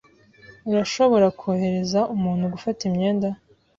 Urashobora kohereza umuntu gufata imyenda?